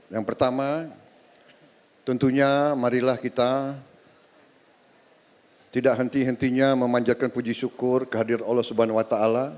yang pertama tentunya marilah kita tidak henti hentinya memanjatkan puji syukur kehadir allah swt